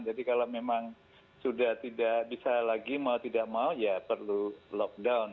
jadi kalau memang sudah tidak bisa lagi mau tidak mau ya perlu lockdown